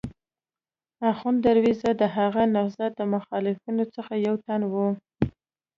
اخوند درویزه د هغه نهضت د مخالفینو څخه یو تن و.